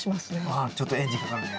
うんちょっとエンジンかかるね。